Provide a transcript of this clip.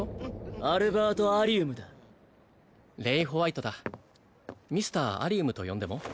アルバート＝アリウムだレイ＝ホワイトだミスターアリウムと呼んでも？